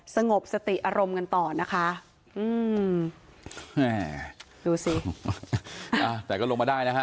สงบสติอารมณ์กันต่อนะคะอืมแม่ดูสิอ่าแต่ก็ลงมาได้นะฮะ